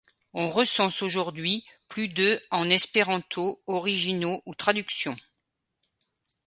On recense aujourd'hui plus de en espéranto, originaux ou traductions.